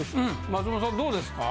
松本さんどうですか？